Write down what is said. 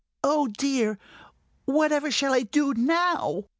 "Oh, dear, whatever shall I do now?"